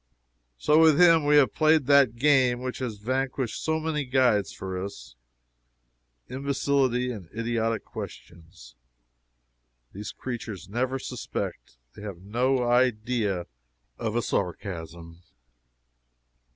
So with him we have played that game which has vanquished so many guides for us imbecility and idiotic questions. These creatures never suspect they have no idea of a sarcasm.